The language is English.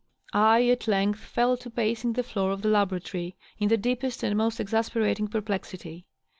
I at length fell to pacing the floor of the laboratory, in the deepest and most exasperating perplexity.